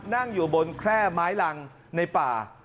นั่งอยู่บนแคร่ไม้รังในป่า